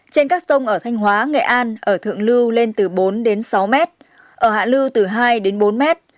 trên các sông ở thanh hóa nghệ an ở thượng lưu lên từ bốn đến sáu mét ở hạ lưu từ hai đến bốn mét